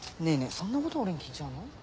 そんなこと俺に聞いちゃうの？